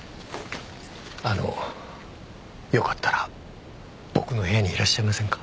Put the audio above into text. あのよかったら僕の部屋にいらっしゃいませんか？